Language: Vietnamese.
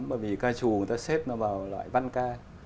bởi vì ca trù người ta xếp nó vào loại văn ca